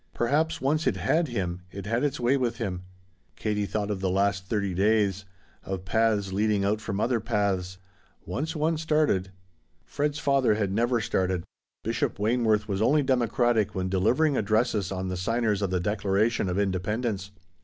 Perhaps once it had him it had its way with him. Katie thought of the last thirty days of paths leading out from other paths. Once one started Fred's father had never started. Bishop Wayneworth was only democratic when delivering addresses on the signers of the Declaration of Independence.